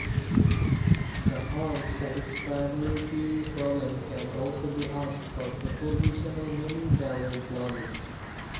The Horn satisfiability problem can also be asked for propositional many-valued logics.